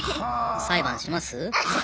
裁判します？